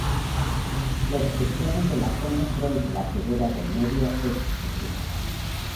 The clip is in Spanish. Los cristianos de la zona creen que la figura de en medio es Jesucristo.